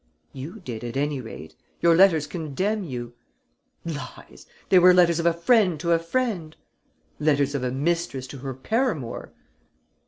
"You did, at any rate. Your letters condemn you." "Lies! They were the letters of a friend to a friend." "Letters of a mistress to her paramour."